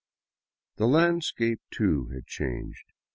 The landscape, too, had changed.